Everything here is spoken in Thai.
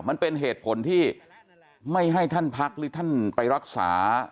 มันเป็นเหตุผลที่ไม่ให้ท่านพักหรือท่านไปรักษา